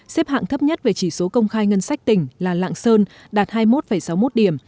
xếp hạng thấp nhất về chỉ số công khai ngân sách tỉnh là lạng sơn đạt hai mươi một sáu mươi một điểm